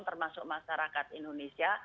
termasuk masyarakat indonesia